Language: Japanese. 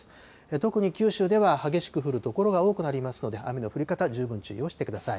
特に九州では激しく降る所が多くなりますので、雨の降り方、十分注意をしてください。